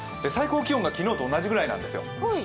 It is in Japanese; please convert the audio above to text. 最高気温が昨日と同じくらいなんですよ。